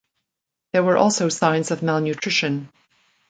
There were also signs of malnutrition.